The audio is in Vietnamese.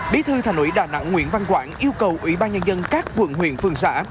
bí thư thành ủy đà nẵng nguyễn văn quảng yêu cầu ủy ban nhân dân các quận huyện phường xã